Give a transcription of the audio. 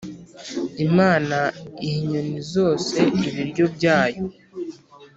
imana iha inyoni zose ibiryo byayo,